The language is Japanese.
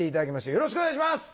よろしくお願いします！